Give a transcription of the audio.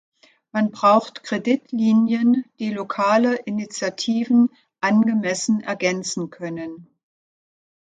Man braucht Kreditlinien, die lokale Initiativen angemessen ergänzen können.